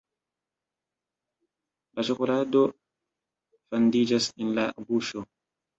La ĉokolado fandiĝas en la buŝo.